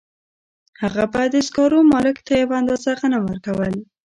هغه به د سکارو مالک ته یوه اندازه غنم ورکول